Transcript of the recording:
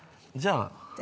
じゃあ。